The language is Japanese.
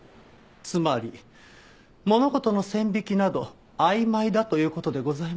つまり物事の線引きなど曖昧だという事でございます。